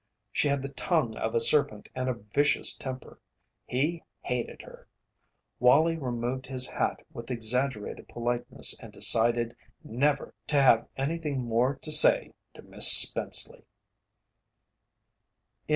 She had the tongue of a serpent and a vicious temper. He hated her! Wallie removed his hat with exaggerated politeness and decided never to have anything more to say to Miss Spenceley.